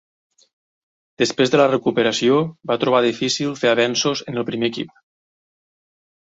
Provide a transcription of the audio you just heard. Després de la recuperació, va trobar difícil fer avenços en el primer equip.